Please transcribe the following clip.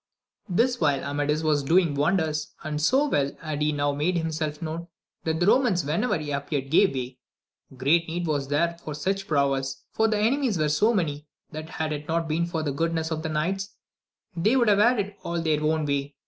This while Amadis was doing wonders, and so weH had he now made himself known, that the Romans wherever he appeared gave way ; great need was there for such prowess, for the enemies were so many, that AMADIS OF GAUL. 185 iiad it not been for the goodness of the knights, they would have had it all their own way.